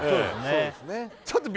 そうですね